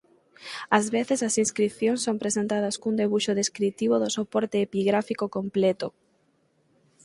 Ás veces as inscricións son presentadas cun debuxo descritivo do soporte epigráfico completo.